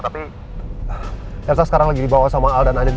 tapi elsa sekarang lagi dibawa sama alda dan anin